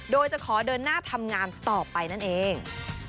โดยจะขอเดินหน้าทำงานต่อไปนั่นเอง